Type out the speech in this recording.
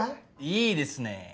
いいですねえ。